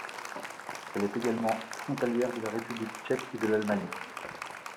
Elle est également frontalière de la République tchèque et de l'Allemagne.